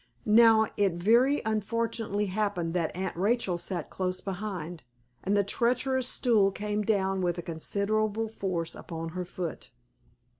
Now it very unfortunately happened that Aunt Rachel sat close behind, and the treacherous stool came down with considerable force upon her foot.